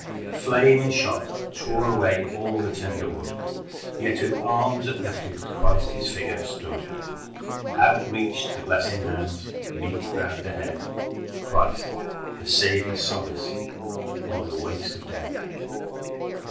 Flame and shot tore away all the tender wood, Yet with arms uplifted Christ His Figure stood; Out reached the blessing hands, meek bowed the head, Christ! The saving solace o'er the waste of dead.